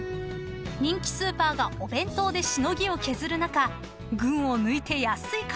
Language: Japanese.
［人気スーパーがお弁当でしのぎを削る中群を抜いて安いかつ丼］